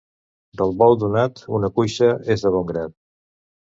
Del bou donat, una cuixa és de bon grat.